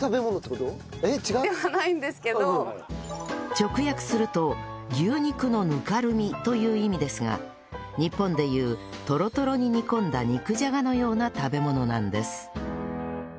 直訳すると「牛肉のぬかるみ」という意味ですが日本で言うとろとろに煮込んだ肉じゃがのような食べ物なんです